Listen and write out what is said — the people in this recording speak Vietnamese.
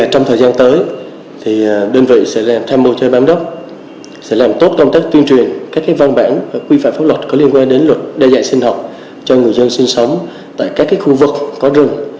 trong thời gian tới đơn vị sẽ tham mưu cho bám đốc sẽ làm tốt công tác tuyên truyền các văn bản quy phạm pháp luật có liên quan đến luật đa dạng sinh học cho người dân sinh sống tại các khu vực có rừng